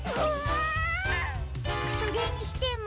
それにしても。